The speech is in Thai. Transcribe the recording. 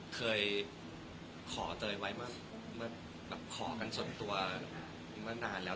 เคยขอเตยไว้เมื่อขอกันส่วนตัวมานานแล้ว